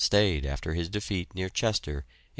stayed after his defeat near Chester in 1645.